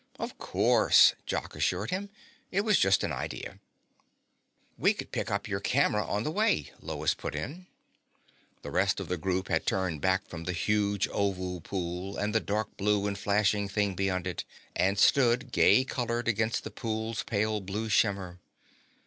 "Of course," Jock assured him. "It was just an idea." "We could pick up your camera on the way," Lois put in. The rest of the group had turned back from the huge oval pool and the dark blue and flashing thing beyond it, and stood gay colored against the pool's pale blue shimmer.